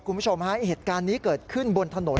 คุณผู้ชมฮะเหตุการณ์นี้เกิดขึ้นบนถนน